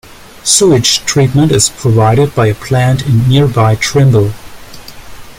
Sewage treatment is provided by a plant in nearby Trimble.